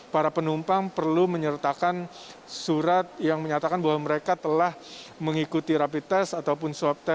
para penumpang perlu menyertakan surat yang menyatakan bahwa mereka telah menggunakan pesawat